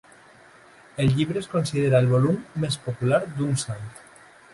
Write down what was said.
El llibre es considera el volum més popular d'un sant.